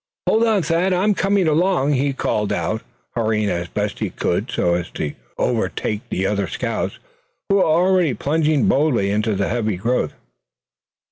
"Hold on, Thad, I'm coming along!" he called out, hurrying as best he could so as to overtake the other scouts, who were already plunging boldly into the heavy growth.